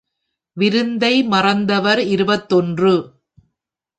விருந்தை மறந்தவர் இருபத்தொன்று.